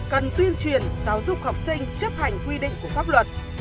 cần tuyên truyền giáo dục học sinh chấp hành quy định của pháp luật